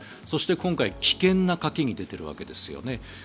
そして、今回、危険な賭けに出ているわけですよね。